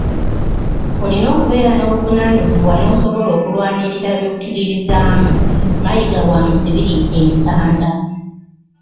"Olina okubeera n'obuvunaanyizibwa n'osobola okulwanirira by'okkiririzaamu," Mayiga bw'amusibiridde entanda.